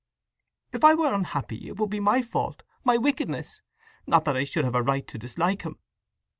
"If I were unhappy it would be my fault, my wickedness; not that I should have a right to dislike him!